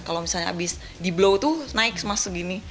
kalau misalnya abis di blow itu naik semasa segini